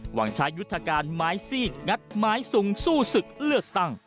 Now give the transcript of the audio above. หวังใช้ยุทธการไม้ซีกงัดไม้สูงสู้ศึกเลือกตั้ง